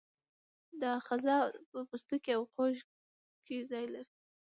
دا آخذه په پوستکي او غوږ کې ځای لري.